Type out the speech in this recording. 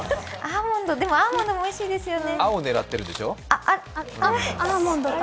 でもアーモンドもおいしいですよね。